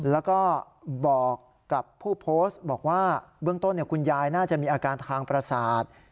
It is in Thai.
แล้วก็บอกกับผู้โพสต์บอกว่าเบื้องต้นคุณยายน่าจะมีอาการทางประสาท